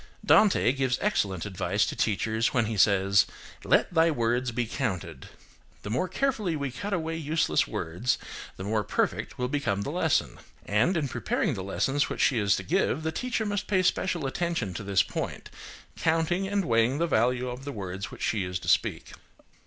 Dante gives excellent advice to teachers when he says, "Let thy words be counted." The more carefully we cut away useless words, the more perfect will become the lesson. And in preparing the lessons which she is to give, the teacher must pay special attention to this point, counting and weighing the value of the words which she is to speak.